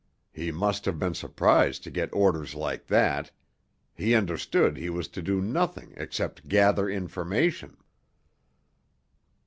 He must have been surprised to get orders like that—he understood he was to do nothing except gather information."